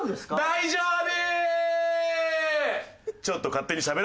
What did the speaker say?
大丈夫。